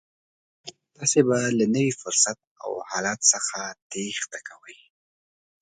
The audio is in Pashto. تاسې به له نوي فرصت او حالت څخه تېښته کوئ.